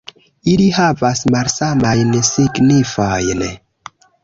Ili havas malsamajn signifojn.